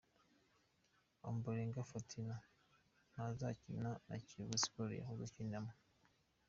Ombolenga Fitina ntazakina na Kiyovu Sport yahoze akinamo.